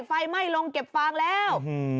ไฟไหม้ลงเก็บฟางแล้ว